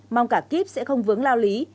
mong cả kiếp sẽ không vướng lao lý